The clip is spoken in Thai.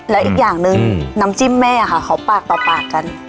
แล้วอีกอย่างหนึ่งน้ำจิ้มแม่ค่ะเขาปากต่อปากกัน